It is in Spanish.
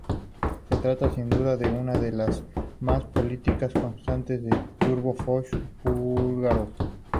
Se trata sin duda de una de las más prolíficas cantantes de Turbo-folk búlgaro.